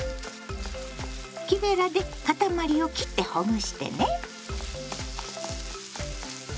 木べらでかたまりを切ってほぐしてね。